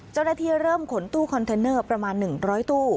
เจ้าหน้าที่เริ่มขนตู้คอนเทนเนอร์ประมาณ๑๐๐ตู้